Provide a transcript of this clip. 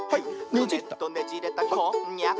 「クネっとねじれたこんにゃく」